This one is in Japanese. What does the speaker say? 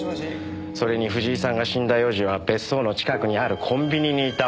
それに藤井さんが死んだ４時は別荘の近くにあるコンビニにいたわけ。